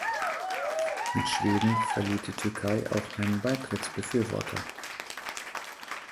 Mit Schweden verliert die Türkei auch einen Beitrittsbefürworter.